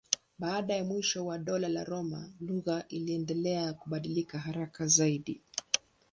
Baada ya mwisho wa Dola la Roma lugha iliendelea kubadilika haraka zaidi.